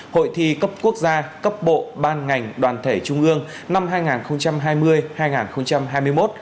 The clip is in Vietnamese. hội thi cấp quốc gia cấp bộ ban ngành đoàn thể trung ương năm hai nghìn hai mươi hai nghìn hai mươi một